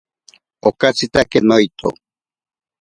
Okatsitake noito.